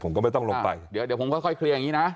ผมก็ไม่ต้องลงไปเดี๋ยวผมค่อยเคลียร์อย่างนี้นะ